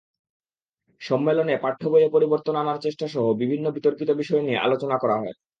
সম্মেলনে পাঠ্যবইয়ে পরিবর্তন আনার চেষ্টাসহ বিভিন্ন বিতর্কিত বিষয় নিয়ে আলোচনা করা হয়।